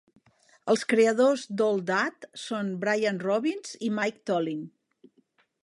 Els creadors d'"All That" són Brian Robbins i Mike Tollin.